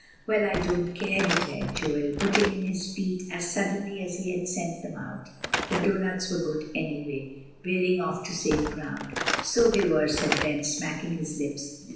"Well, I don't care," declared Joel, pulling in his feet as suddenly as he had sent them out, "the doughnuts were good, anyway," veering off to safe ground. "So they were," said Ben, smacking his lips.